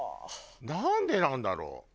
なんでなんだろう？